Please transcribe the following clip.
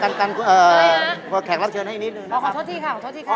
คุณแขกเล่าเชิญให้นิดนึงนะครับ